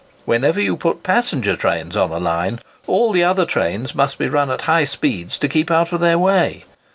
Whenever you put passenger trains on a line, all the other trains must be run at high speeds to keep out of their way.